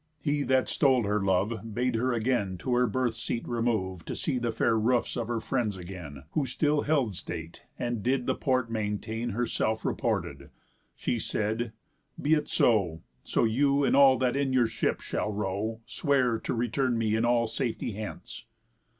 He that stole her love Bade her again to her birth's seat remove, To see the fair roofs of her friends again, Who still held state, and did the port maintain Herself reported. She said: 'Be it so, So you, and all that in your ship shall row, Swear to return me in all safety hence.